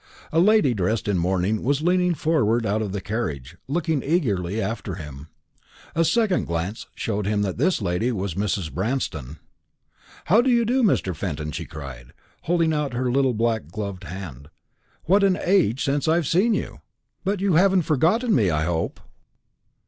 A lady dressed in mourning was leaning forward out of the carriage, looking eagerly after him. A second glance showed him that this lady was Mrs. Branston. "How do you do, Mr. Fenton," she cried, holding out her little black gloved hand: "What an age since I have seen you! But you have not forgotten me, I hope?"